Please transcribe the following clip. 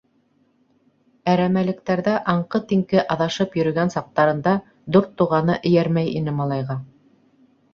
Әрәмәлектәрҙә аңҡы-тиңке аҙашып йөрөгән саҡтарында Дүрт Туғаны эйәрмәй ине малайға.